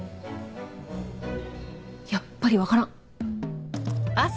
やっぱり分からん。